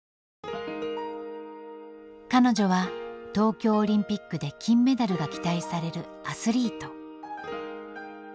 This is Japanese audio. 彼女は東京オリンピックで金メダルが期待されるアスリート。